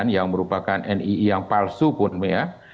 yang merupakan nii yang palsu pun ya